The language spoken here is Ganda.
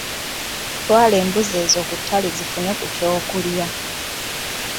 Twala embuzi ezo ku ttale zifune ku ky'okulya.